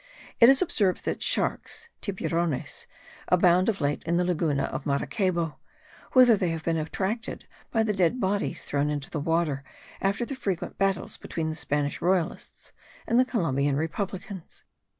It is observed that sharks (tiburones) abound of late in the Laguna of Maracaybo, whither they have been attracted by the dead bodies thrown into the water after the frequent battles between the Spanish royalists and the Columbian republicans.)